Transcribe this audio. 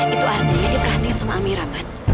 itu artinya dia perhentikan sama amira man